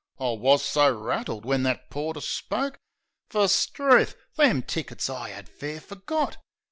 I wus so rattled when that porter spoke. Fer, 'struth! them tickets I 'ad fair forgot!